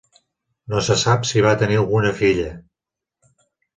No se sap si va tenir alguna filla.